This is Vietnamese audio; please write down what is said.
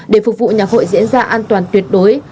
để phục vụ nhà hội diễn ra an toàn tuyệt đối